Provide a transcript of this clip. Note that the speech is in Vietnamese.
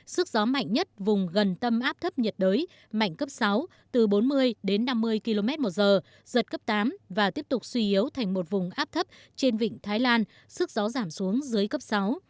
sức gió mạnh nhất vùng gần tâm áp thấp nhiệt đới mạnh cấp sáu từ bốn mươi đến năm mươi km một giờ giật cấp tám và tiếp tục suy yếu thành một vùng áp thấp trên vịnh thái lan sức gió giảm xuống dưới cấp sáu